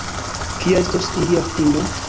Kia estos ilia fino?